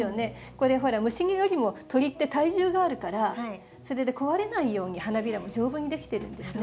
これほら虫よりも鳥って体重があるからそれで壊れないように花びらも丈夫にできてるんですね。